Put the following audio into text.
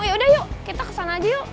yaudah yuk kita kesana aja yuk